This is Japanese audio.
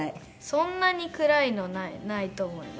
そんなに暗いのはないと思います。